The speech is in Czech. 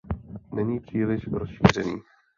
Není příliš rozšířený.